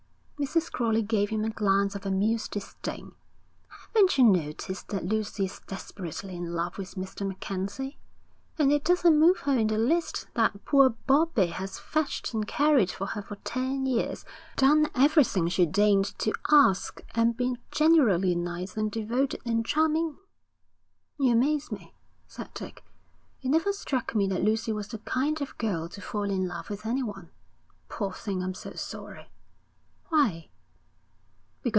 Mrs. Crowley gave him a glance of amused disdain. 'Haven't you noticed that Lucy is desperately in love with Mr. MacKenzie, and it doesn't move her in the least that poor Bobbie has fetched and carried for her for ten years, done everything she deigned to ask, and been generally nice and devoted and charming?' 'You amaze me,' said Dick. 'It never struck me that Lucy was the kind of girl to fall in love with anyone. Poor thing. I'm so sorry.' 'Why?'